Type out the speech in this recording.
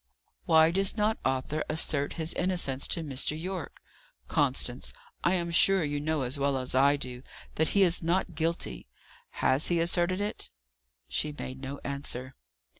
"Why does not Arthur assert his innocence to Mr. Yorke? Constance, I am sure you know, as well as I do, that he is not guilty. Has he asserted it?" She made no answer.